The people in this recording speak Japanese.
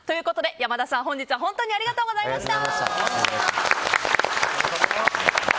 山田さん、本日はありがとうございました。